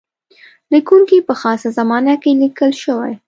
لیکونکی په خاصه زمانه کې لیکل شوی.